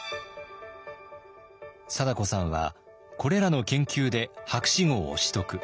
貞子さんはこれらの研究で博士号を取得。